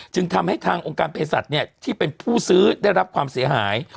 จึงทำให้ทางองค์การเพศสัตว์ที่เป็นผู้ซื้อได้รับความเสียหาย